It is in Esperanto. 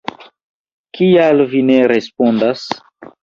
Kial vi ne respondas?